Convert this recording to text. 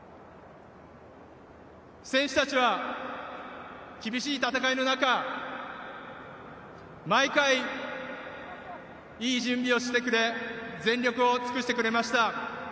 選手たちは厳しい戦いの中毎回、いい準備をしてくれ全力を尽くしてくれました。